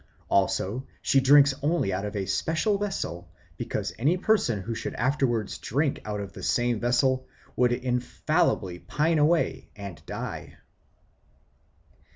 Also she drinks only out of a special vessel, because any person who should afterwards drink out of the same vessel would infallibly pine away and die.